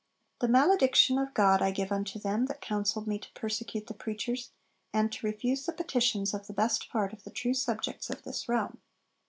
'The malediction of God I give unto them that counselled me to persecute the preachers, and to refuse the petitions of the best part of the true subjects of this realm.'